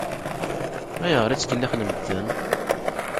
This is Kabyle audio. Ayɣer i ttkellixen medden?